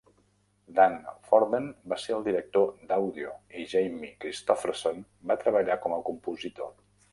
Dan Forden va ser el director d'àudio i Jamie Christopherson va treballar com a compositor.